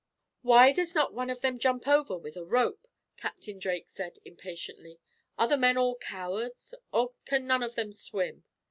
"Why does not one of them jump over, with a rope?" Captain Drake said, impatiently. "Are the men all cowards, or can none of them swim?